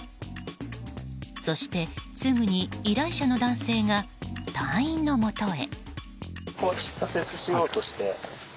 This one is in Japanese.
そして、すぐに依頼者の男性が隊員のもとへ。